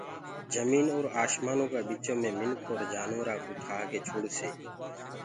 جميٚنٚ اور آشمآنو ڪآ ٻِچو مي منک اور جآنورآنٚ ڪو ٺآڪي ڇوڙسي